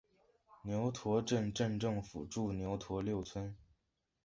牛驼镇镇政府驻牛驼六村。